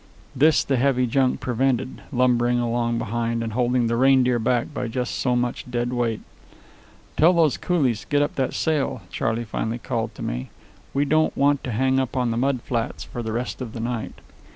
This the heavy junk prevented, lumbering along behind and holding the Reindeer back by just so much dead weight. "Tell those coolies to get up that sail," Charley finally called to me. "We don't want to hang up on the mud flats for the rest of the night."